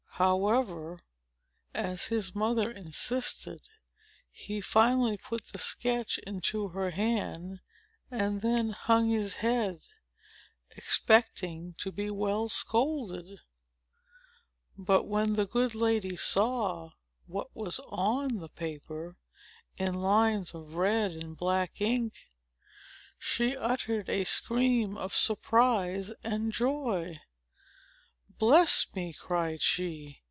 However, as his mother insisted, he finally put the sketch into her hand, and then hung his head, expecting to be well scolded. But when the good lady saw what was on the paper, in lines of red and black ink, she uttered a scream of surprise and joy. "Bless me!" cried she.